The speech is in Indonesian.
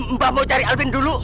mbak mau cari alvin dulu